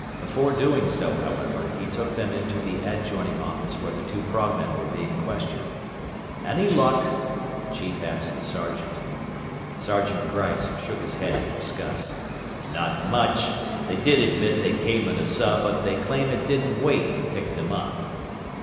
Before doing so, however, he took them into the adjoining office where the two frogmen were being questioned. "Any luck?" the chief asked the sergeant. Sergeant Gryce shook his head in disgust. "Not much. They did admit they came in a sub, but they claim it didn't wait to pick them up."